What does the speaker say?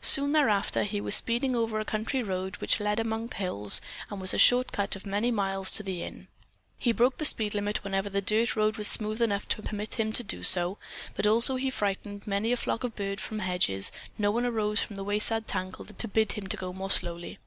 Soon thereafter he was speeding over a country road which led among the hills and was a short cut of many miles to the Inn. He broke the speed limit whenever the dirt road was smooth enough to permit him to do so, but, although he frightened many a flock of birds from the hedges, no one arose from the wayside tangle to bid him go more slowly.